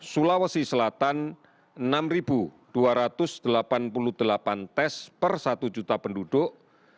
sulawesi selatan enam dua ratus delapan puluh delapan tes per satu juta penduduk